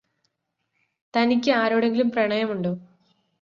തനിക്ക് ആരോടെങ്കിലും പ്രണയമുണ്ടോ?